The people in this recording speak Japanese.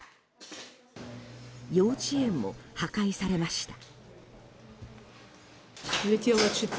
幼稚園も破壊されました。